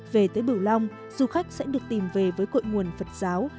về tới bửu long du khách sẽ được tìm về với cội nguồn phật giáo